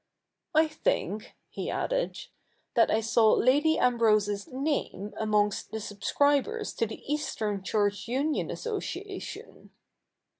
I think,' he added, ' that I saw Lady Ambrose's name amongst the subscribers to the Eastern Church Union Association."